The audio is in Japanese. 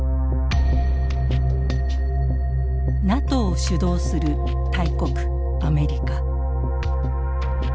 ＮＡＴＯを主導する大国アメリカ。